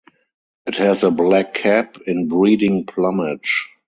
It has a black cap in breeding plumage.